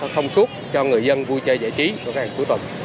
thông suốt cho người dân vui chơi giải trí vào các ngày cuối tuần